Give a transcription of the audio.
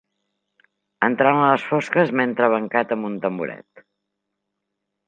Entrant a les fosques m'he entrebancat amb un tamboret.